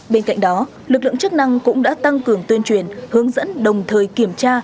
bên cạnh đó lực lượng chức năng cũng đã tăng cường tuyên truyền hướng dẫn đồng thời kiểm tra